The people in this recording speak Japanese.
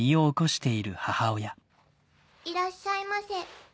いらっしゃいませ。